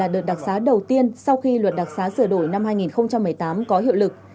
đợt đặc xá đầu tiên sau khi luật đặc xá sửa đổi năm hai nghìn một mươi tám có hiệu lực